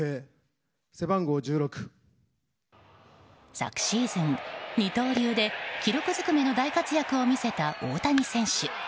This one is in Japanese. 昨シーズン、二刀流で記録ずくめの大活躍を見せた大谷選手。